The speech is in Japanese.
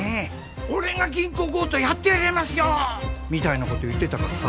「俺が銀行強盗やってやりますよ！」みたいなこと言ってたからさ。